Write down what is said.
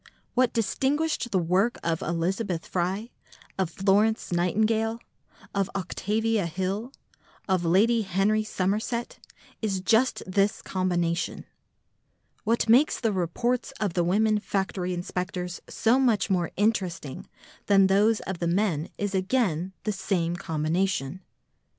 What distinguished the work of Elizabeth Fry, of Florence Nightingale, of Octavia Hill, of Lady Henry Somerset is just this combination. What makes the reports of the women factory inspectors so much more interesting than those of the men is again the same combination.